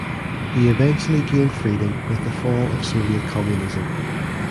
He eventually gained freedom with the fall of Soviet Communism.